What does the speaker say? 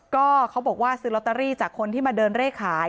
ก็เขาบอกว่าซื้อลอตเตอรี่จากคนที่มาเดินเร่ขาย